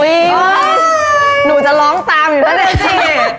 อยู่ที่นี่